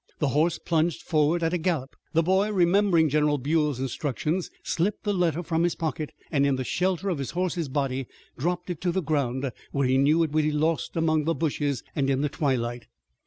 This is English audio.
The horse plunged forward at a gallop. The boy, remembering General Buell's instructions, slipped the letter from his pocket, and in the shelter of the horse's body dropped it to the ground, where he knew it would be lost among the bushes and in the twilight.